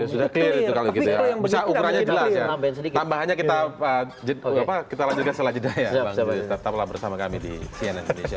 sudah clear itu